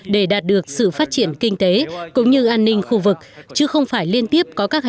để đạt được sự phát triển kinh tế